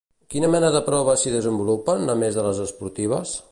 Quina mena de proves s'hi desenvolupaven, a més de les esportives?